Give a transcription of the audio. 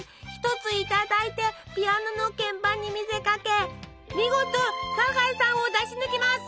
１ついただいてピアノの鍵盤に見せかけ見事サザエさんを出し抜きます！